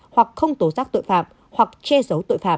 hoặc không tố giác tội phạm hoặc che giấu tội phạm